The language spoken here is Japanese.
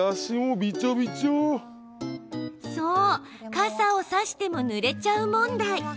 そう、傘を差してもぬれちゃう問題。